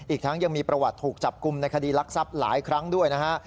อีกทั้งยังมีประวัติถูกจับกลุ่มในคดีรักทรัพย์หลายครั้งด้วยนะฮะ